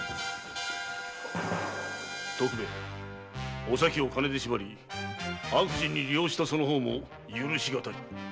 徳兵衛お咲を金で縛り悪事に利用したその方も許しがたい。